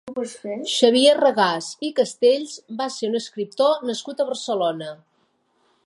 Xavier Regàs i Castells va ser un escriptor nascut a Barcelona.